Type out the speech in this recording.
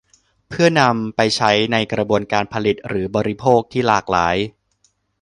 เพื่อนำไปใช้ในกระบวนการผลิตหรือบริโภคที่หลากหลาย